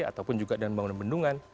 ataupun juga dengan bangunan bendungan